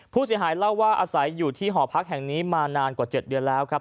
ผู้เสียหายเล่าว่าอาศัยอยู่ที่หอพักแห่งนี้มานานกว่า๗เดือนแล้วครับ